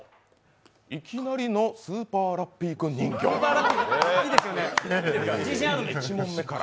いきなりのスーパーラッピー君人形、１問目から。